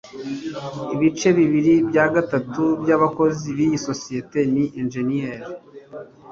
ibice bibiri bya gatatu byabakozi biyi sosiyete ni injeniyeri